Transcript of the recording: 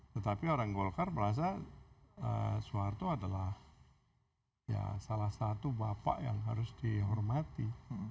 tetapi orang golkar merasa soeharto adalah salah satu bapak yang harus dihormati